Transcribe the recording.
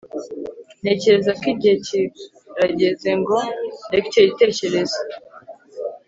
ntekereza ko igihe kirageze ngo ndeke icyo gitekerezo